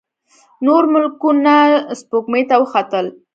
نور ملکونه سپوږمۍ ته وختل.